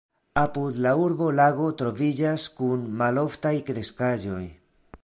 Apud la urbo lago troviĝas kun maloftaj kreskaĵoj.